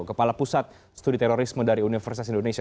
kepala pusat studi terorisme dari universitas indonesia